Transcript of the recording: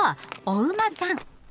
お馬さん。